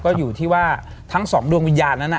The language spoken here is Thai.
ก็อยู่ที่ว่าทั้งสองดวงวิญญาณนั้น